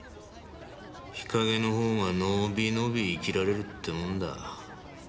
日陰のほうが伸び伸び生きられるってもんだ。